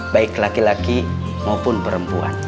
baik laki laki maupun perempuan